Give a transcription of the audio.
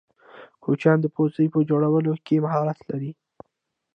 کوچیان د پوڅې په جوړولو کی مهارت لرې.